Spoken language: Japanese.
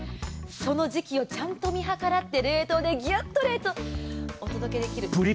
その時期をちゃんと見計らってギュッと冷凍でお届けできる。